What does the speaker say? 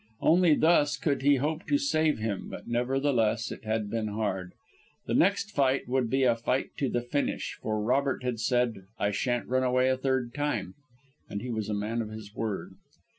Only thus could he hope to save him, but nevertheless it had been hard. The next fight would be a fight to the finish, for Robert had said, "I shan't run away a third time;" and he was a man of his word.